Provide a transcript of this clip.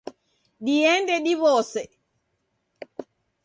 Diende diwose.